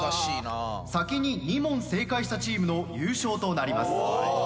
先に２問正解したチームの優勝となります。